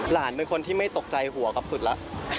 หลานเป็นคนที่ไม่ตกใจหัวกับสุดแล้ว